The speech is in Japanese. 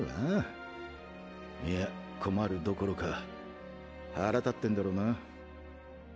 いや困るどころか腹立ってんだろうな。